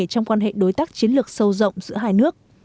trong quan hệ đối tác chiến lược sâu rộng giữa hai nước